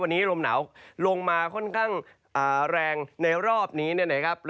วันนี้ลมหนาวลงมาค่อนข้างแรงในรอบนี้นะครับ